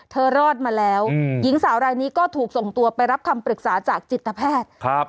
รอดมาแล้วหญิงสาวรายนี้ก็ถูกส่งตัวไปรับคำปรึกษาจากจิตแพทย์